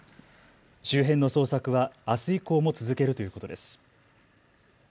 周辺の捜索はあす以降も続けるということです。